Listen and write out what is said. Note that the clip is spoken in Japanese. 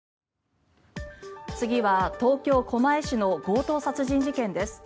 次は東京・狛江市の強盗殺人事件です。